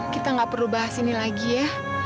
kita nggak perlu bahas ini lagi ya